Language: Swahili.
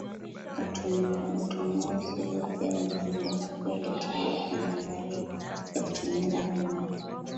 Utumuzi upya wa maji machafu yaliotibiwa kwa mandhari ya kutengeneza vingoe